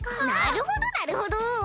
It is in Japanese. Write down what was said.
なるほどなるほど。